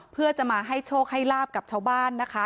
เพื่อจะมาให้โชคให้ลาบกับชาวบ้านนะคะ